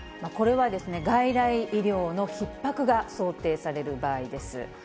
これは外来医療のひっ迫が想定される場合です。